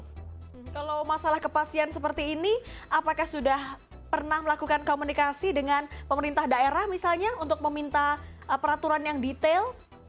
kalau masalah kepastian seperti ini apakah sudah pernah melakukan komunikasi dengan pemerintah daerah misalnya untuk meminta peraturan yang detail